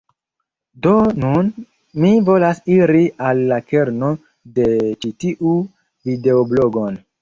Do nun, mi volas iri al la kerno de ĉi tiu videoblogon.